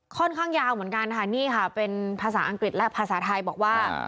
ค่อนข้างยาวเหมือนกันค่ะนี่ค่ะเป็นภาษาอังกฤษและภาษาไทยบอกว่า